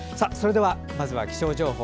まずは気象情報。